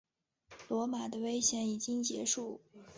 罗马的危险已经结束。